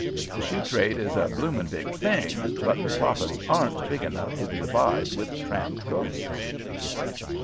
The shoe trade is a blooming big thing, but the profits aren't big enough to divide with tramp ghosts."